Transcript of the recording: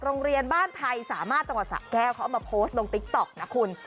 โรงเรียนบ้านไทยสามารถจังหวัดสะแก้วเขาเอามาโพสต์ลงติ๊กต๊อกนะคุณ